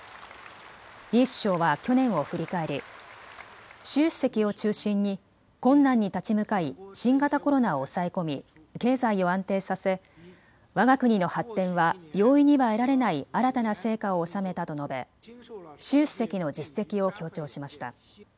李首相は去年を振り返り、習主席を中心に困難に立ち向かい新型コロナを抑え込み経済を安定させわが国の発展は容易には得られない新たな成果を収めたと述べ習主席の実績を強調しました。